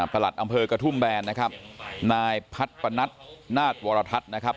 หลัดอำเภอกระทุ่มแบนนะครับนายพัดปนัทนาฏวรทัศน์นะครับ